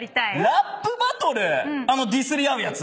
ラップバトル⁉あのディスり合うやつ？